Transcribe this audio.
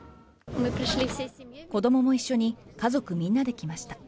子どもも一緒に家族みんなで来ました。